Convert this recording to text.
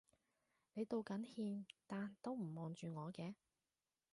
你道緊歉但都唔望住我嘅